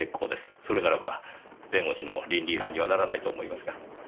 それならば弁護士の倫理違反にはならないと思いますが。